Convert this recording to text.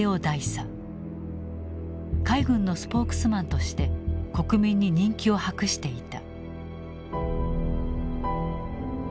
海軍のスポークスマンとして国民に人気を博していた。